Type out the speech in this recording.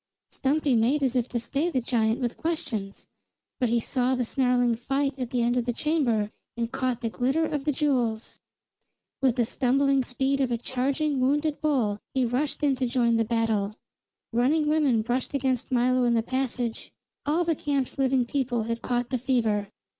Stumpy made as if to stay the giant with questions; but he saw the snarling fight at the end of the chamber and caught the glitter of jewels. With the stumbling speed of a charging, wounded bull, he rushed in to join battle. Running women brushed against Milo in the passage; all the camp's living people had caught the fever.